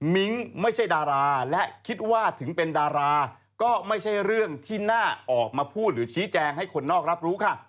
มิ้งไม่ใช่ดาราและคิดว่าถึงเป็นดาราก็ไม่ใช่เรื่องที่น่าออกมาพูดหรือชี้แจงให้คนนอกรับรู้ค่ะ